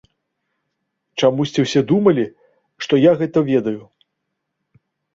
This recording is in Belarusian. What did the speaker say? Чамусьці ўсе думалі, што я гэта ведаю.